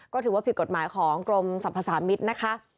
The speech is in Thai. ก็ถือว่าผิดกฏหมายของกรมทรัพยาศาสตร์มิตร